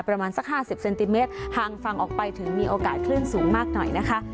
ประมาณสักห้าสิบเซนติเมตรห่างฝั่งออกไปถึงมีโอกาสคลื่นสูงมากหน่อยนะคะ